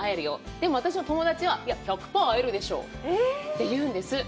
でも、私の友達は、１００％会えるでしょうって言うんです。